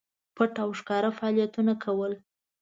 پټ او ښکاره فعالیتونه کول.